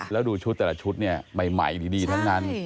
แล้วดูชุดแต่ละชุดเนี่ยใหม่ดีทั้งนั้น